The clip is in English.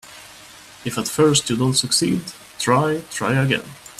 If at first you don't succeed, try, try again.